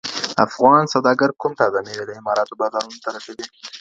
افغان سوداګر کوم تازه مېوې د اماراتو بازارونو ته رسوي؟